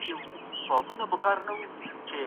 ولي په نا اشنا ژبه کي زده کړه ستونزمنه وي؟